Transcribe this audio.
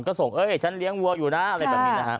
ก็ส่งฉันเลี้ยงวัวอยู่นะอะไรแบบนี้